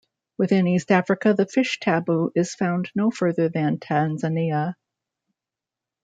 Within East Africa, the fish taboo is found no further than Tanzania.